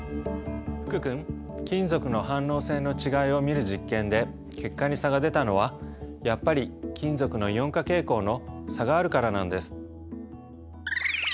福君金属の反応性の違いを見る実験で結果に差が出たのはやっぱり金属のイオン化傾向の差があるからなんです。